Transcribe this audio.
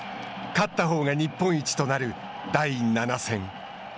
勝ったほうが日本一となる第７戦。